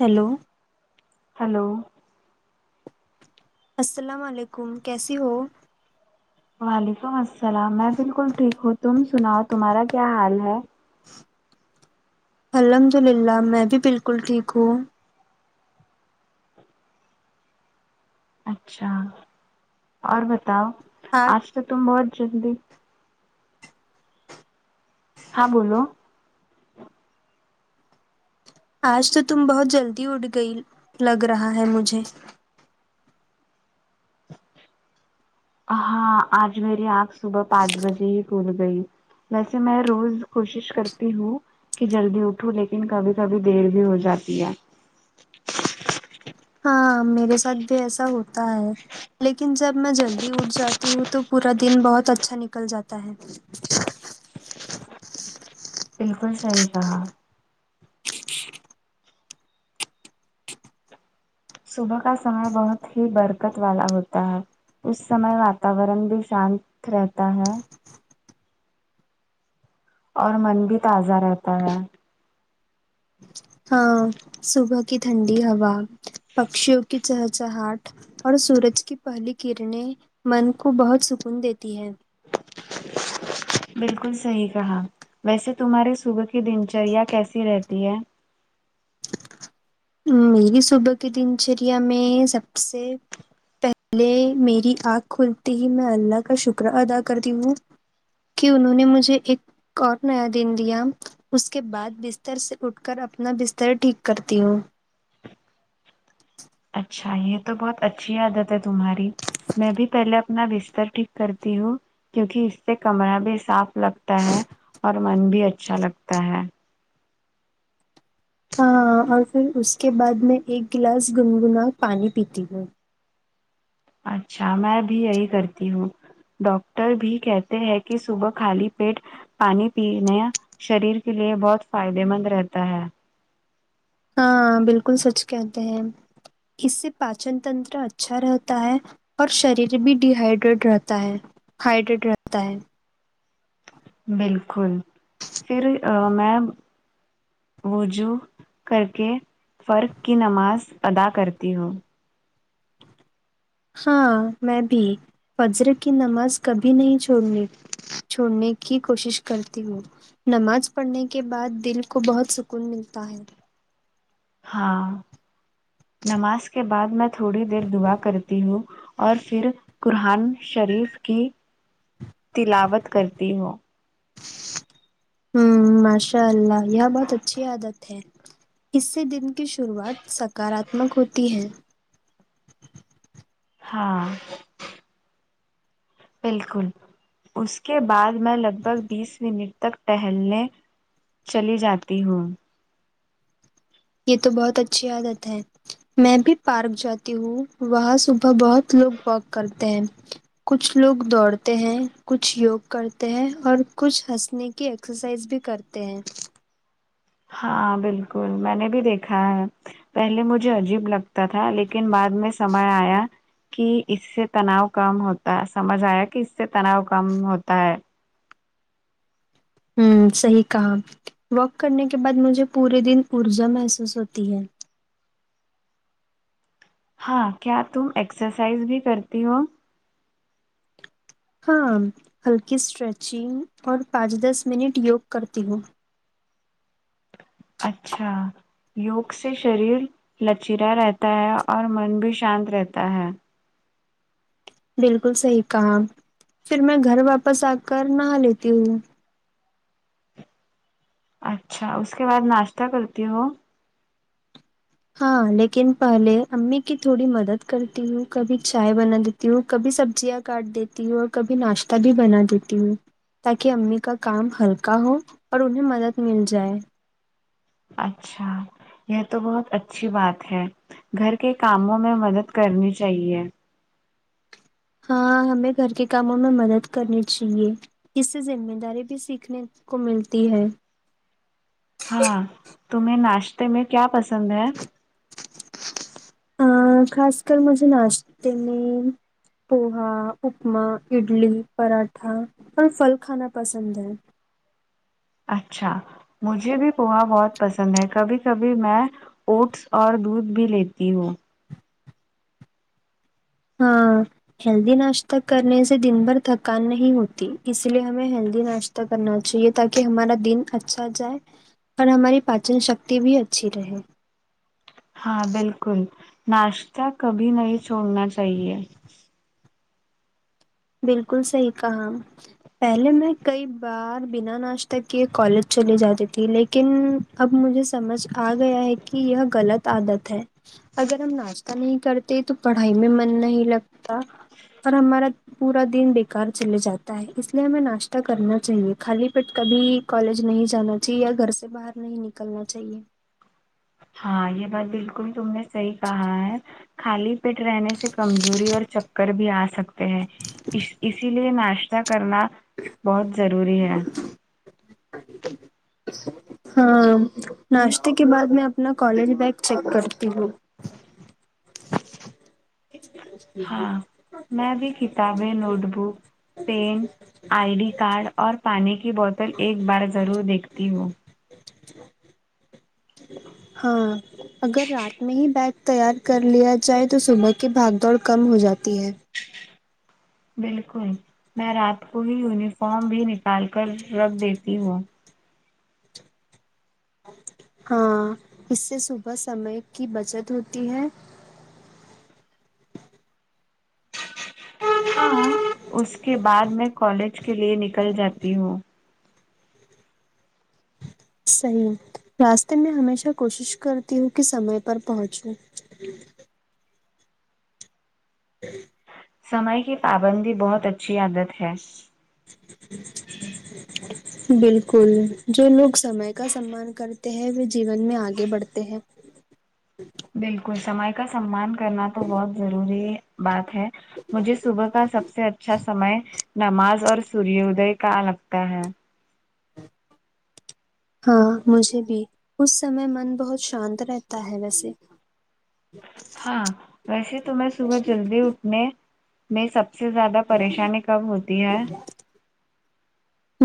hello hello السلام علیکم کیسی ہو وعلیکم السلام میں بالکل ٹھیک ہوں تم سناؤ تمہارا کیا حال ہے الحمد للہ میں بھی بالکل ٹھیک ہوں اچھا اور بتاؤ آج تو تم بہت جلدی ہاں بولو آج تو تم بہت جلدی اٹھ گئی لگ رہا ہے مجھے ہاں آج میری آنکھ صبح پانچ بجے ہی کھل گئی ویسے میں روز کوشش کرتی ہوں کہ جلدی اٹھو لیکن کبھی کبھی دیر بھی ہو جاتی ہے ہاں میرے ساتھ بھی ایسا ہوتا ہے لیکن جب میں جلدی اٹھ جاتی ہوں تو پورا دن بہت اچھا نکل جاتا ہے بالکل صحیح کہا صبح کا سمے بہت ہی برکت والا ہوتا ہے اس سمے واتاورن بھی شانت رہتا ہے اور من بھی تازہ رہتا ہے ہاں صبح کی ٹھنڈی ہوا پکشیوں کی چہچہٹ اور سورج کی پہلی کرنیں من کو بہت سکون دیتی ہے بالکل صحیح کہا ویسے تمہارے صبح کی دن چریا کیسی رہتی ہے میری صبح کی دن چریا میں سب سے پہلے میری آنکھ کھلتی ہی میں اللہ کا شکر ادا کرتی ہوں کہ انہوں نے مجھے ایک اور نیا دن دیا اس کے بعد بستر سے اٹھ کر اپنا بستر ٹھیک کرتی ہوں اچھا یہ تو بہت اچھی عادت ہے تمہاری میں بھی پہلے اپنا بستر ٹھیک کرتی ہوں کیونکہ اس سے کمرہ بھی صاف لگتا ہے اور من بھی اچھا لگتا ہے ہاں اور پھر اس کے بعد میں ایک گلاس گنگنا پانی پیتی ہوں اچھا میں بھی یہی کرتی ہوں ڈاکٹر بھی کہتے ہیں کہ صبح خالی پیٹ پانی پینے شریر کے لیے بہت فائدے مند رہتا ہے ہاں بالکل سچ کہتے ہیں اس سے پاچن تنتر اچھا رہتا ہے اور شریر بھی ڈ ہائیڈریٹ رہتا ہے ہائیڈریٹ رہتا ہے بالکل پھر ا میں وجو کر کے فرق کی نماز ادا کرتی ہوں ہاں میں بھی فجر کی نماز کبھی نہیں چھوڑنے چھوڑنے کی کوشش کرتی ہوں نماز پڑھنے کے بعد دل کو بہت سکون ملتا ہے ہاں نماز کے بعد میں تھوڑی دیر دعا کرتی ہوں اور پھر قرآن شریف کی تلاوت کرتی ہووں ہوں ماشاء اللہ یہ بہت اچھی عادت ہے اس سے دن کی شروعات سکاراتمک ہوتی ہے ہاں بالکل اس کے بعد میں لگ بھگ بیس منٹ تک ٹہلنے چلی جاتی ہوں یہ تو بہت اچھی عادت ہے میں بھی پارک جاتی ہوں وہاں صبح بہت لوگ واک کرتے ہیں کچھ لوگ دوڑتے ہیں کچھ یوگ کرتے ہیں اور کچھ ہنسنے کی ایکسرسائز بھی کرتے ہیں ہاں بالکل میں نے بھی دیکھا ہے پہلے مجھے عجیب لگتا تھا لیکن بعد میں سمے آیا کہ اس سے تناؤ کم ہوتا ہے سمجھ آیا کہ اس سے تناؤ کم ہوتا ہے ہوں صحیح کہا واک کرنے کے بعد مجھے پورے دن پرجہ محسوس ہوتی ہے ہاں کیا تم ایکسرسائز بھی کرتی ہو ہاں ہلکی اسٹریچنگ اور پانچ دس منٹ یوگ کرتی ہوں اچھا یوگ سے شریر لچیرا رہتا ہے اور من بھی شانت رہتا ہے بالکل صحیح کہا پھر میں گھر واپس آ کر نہا لیتی ہوں اچھا اس کے بعد ناشتہ کرتی ہو ہاں لیکن پہلے امی کی تھوڑی مدد کرتی ہوں کبھی چائے بنا دی تی ہوں کبھی سبزیاں کاٹ دیتی ہوں اور کبھی ناشتہ بھی بنا دیتی ہوں تاکہ امی کا کام ہلکا ہو اور انہیں مدد مل جائے اچھا یہ تو بہت اچھی بات ہے گھر کے کاموں میں مدد کرنی چاہیے ہاں ہمیں گھر کے کاموں میں مدد کرنی چاہیے اس سے ذمہ داری بھی سیکھنے کو ملتی ہے ہاں تمہیں ناش تے میں کیا پسند ہے ا خاص کر مجھے ناشتے میں پوہا اپما اڈلی پراٹھا اور پھل کھانا پسند ہے اچھا مجھے بھی پوہا بہت پسند ہے کبھی کبھی میں اوٹس اور دودھ بھی لیتی ہوں ہاں ہیلدی ناشتہ کرنے سے دن بھر تھکان نہیں ہوتی اس لیے ہمیں ہیلدی ناش تہ کرنا چاہیے تاکہ ہمارا دن اچھا جائے اور ہماری پاچن شکتی بھی اچھی رہے ہاں بالکل ناشتہ کبھی نہیں چھوڑنا چاہیے بالکل صحیح کہا پہلے میں کئی بار بنا ناشتہ کیے کالج چلے جاتی تھی لیکن اب مجھے سمجھ آ گیا ہے کہ یہ غلط عادت ہے اگر ہم ناشتہ نہیں کرتے تو پڑھائی میں من نہیں لگتا اور ہمارا پورا دن بےکار چلے جاتا ہے اس لیے ہمیں ناشتہ کرنا چاہیے خالی پیٹ کبھی کالج نہیں جانا چاہیے گھر سے باہر نہیں نکلنا چاہیے ہاں یہ بات بالکل تم نے صحیح کہا ہے خالی پیٹ رہنے سے کمزوری اور چکر بھی آ سکتے ہیں اسی لیے ناش تا کرنا بہت ضروری ہے ہاں ناشتے کے بعد میں اپنا کالج بیگ چیک کرتی ہوں [inaudible] ہاں میں بھی کتابیں notebook pen I D card اور پانی کی بوتل ایک بار ضرور دیکھتی ہوں ہاں اگر رات میں ہی بیگ تیار کر لیا جائے تو صبح کی بھاگ دوڑ کم ہو جاتی ہے بالکل میں رات کو ہی یونیفارم بھی نکال کر رکھ دیتی ہوں ہاں اس سے صبح سمے کی بچت ہوتی ہے ہاں اس کے بعد میں کالج کے لیے نکل جاتی ہوں صحیح راستے میں ہمیشہ کوشش کرتی ہوں کہ سمے پر پہنچوں سمئے کی پابندی بہت اچھی عادت ہے بالکل جو لوگ سمے کا سمان کر ہیں وہ جیون میں آگے بڑھتے ہیں بالکل سمے کا سمان کرنا تو بہت ضروری بات ہے مجھے صبح کا سب سے اچھا سمے نماز اور سوردے کا لگتا ہے [inaudible] ہاں مجھے بھی اس سمے من بہت شانت رہتا ہے ویسے [inaudible] ہاں ویسے تو میں صبح جلدی اٹھنے میں سب س سے زیادہ پریشانی کب ہوتی ہے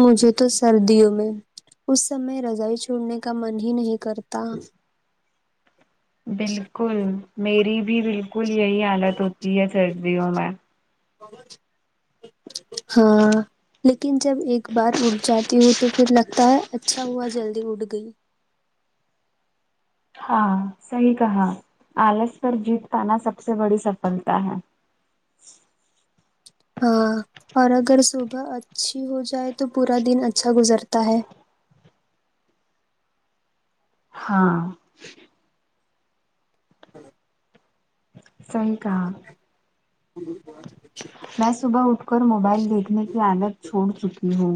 مجھے تو سردیوں میں اس سمے رضائی چھوڑنے کا من ہی نہیں کرتا بالکل میری بھی بالکل یہی حالت ہوتی ہے سردیوں میں ہاں لیکن جب ایک بار اڑ جاتی ہو ں تو پھر لگتا ہے اچھا ہوا جلدی اٹھ گئی ہاں صحیح کہا آلس پر جیت پانا سب سے بڑی سفلتا ہے ہاں اور اگر صبح اچھی ہو جائے تو پورا دن اچھا گزرتا ہے ہاں صحیح کہا ہے میں صبح اٹھ کر موبائل دیکھنے کی عالت چھوڑ چکی ہوں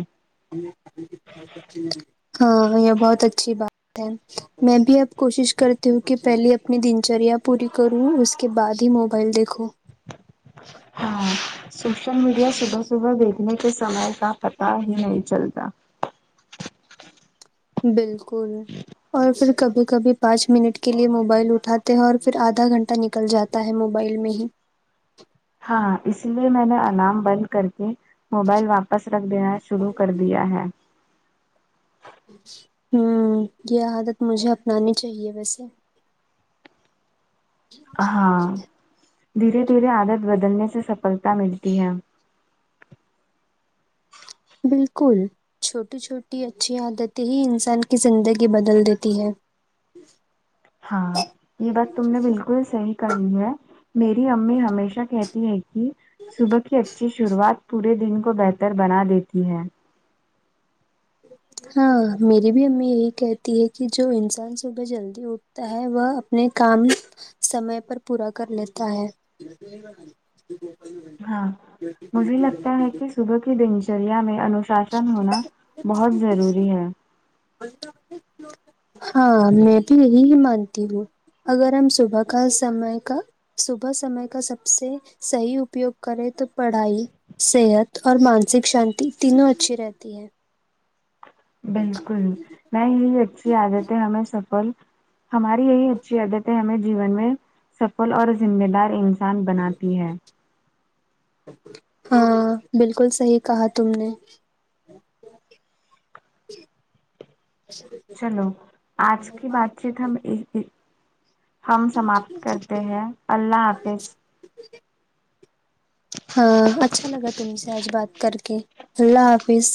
ہاں یہ بہت اچھی بات ہےمیں بھی اب کوشش کرتی ہوں کہ پہلے اپنی دنچریا پوری کروں اس کے بعد ہی موبائل دیکھو ہاں سوشل میڈیا صبح صبح دیکھنے کے سمے کا پتا ہی نہیں چلتا بالکل اور پھر کبھی کبھی پانچ منٹ کے لیے موبائل اٹھاتے ہیں اور پھر آدھا گھنٹہ نکل جات تا ہے موبائل میں ہی ہاں اس لیے میں نے الارم بند کر کے موبائل واپس رکھ دینا شروع کر دیا ہے ہوں یہ عادت مجھے اپنانی چاہیے ویسے ہاں دھیرے دھیرے عادت بدلنے سے سفلتا ملتی ہے بالکل چھوٹی چھوٹی اچھی عادتیں ہی انسان کی زندگی بدل دیتی ہیں ہاں یہ بات تم نے بالکل صحیح کہی ہے میری امی ہمیشہ کہتی ہے کی صبح کی اچھی شروعات پورے دن کو بہتر بنا دیتی ہے ہاں میری بھی امی یہی کہتی ہے کہ جو انسان صبح جلدی اٹھ یہ ہے وہ اپنے کام سمے پر پورا کر لیتا ہے [inaudible] [inaudible] ہاں مجھے لگتا ہے کہ صبح کی دن چریا میں انوشاسن ہونا بہت ضروری ہے ہاں میں تو یہی ہی مانتی ہوں اگر ہم صبح کا سمے کا صبح سمے کا سب سے صحیح اپیوگ کریں تو پڑھائی صحت اور مانسک شانتی تینوں اچھی رہتی ہے بالکل میں یہی اچھی عادت ہے ہمیں سفل ہماری یہی اچھی عادت ہے ہمیں جیون میں سفل اور ذمہ دار ان [inaudible] ہاں بالکل صحیح کہا تم نے چلو آج کی بات چیت ہم ہم سماپت کرتے ہیں اللہ حافظ ہاں اچھا لگا تم سے آج بات کر کے اللہ حافظ